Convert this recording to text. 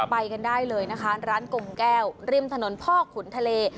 ไปกันได้เลยนะคะร้านกลมแก้วริมถนนพ่อขุนทะเล